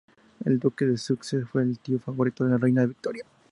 El duque de Sussex fue el tío favorito de la reina Victoria.